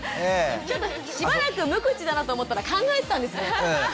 ちょっとしばらく無口だなと思ったら考えてたんですね。